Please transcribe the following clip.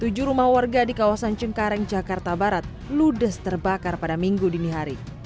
tujuh rumah warga di kawasan cengkareng jakarta barat ludes terbakar pada minggu dini hari